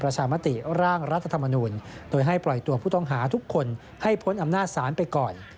ประชามติร่างรัฐธรรมนูลโดยให้ปล่อยตัวผู้ต้องหาทุกคนให้พ้นอำนาจศาลไปก่อน